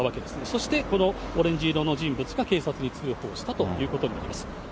そしてこのオレンジ色の人物が警察に通報したということになります。